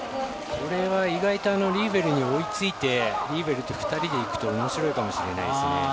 これはリーベルに追いついてリーベルと２人でいくと面白いかもしれないですね。